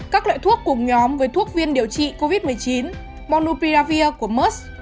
các loại thuốc cùng nhóm với thuốc viên điều trị covid một mươi chín monupiravir của mers